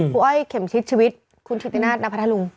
ครูอ้อยเข็มทิศชีวิตคุณชิคกี้พายหน้าพระธรรม